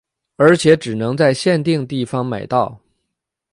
而且只能在限定地方买到。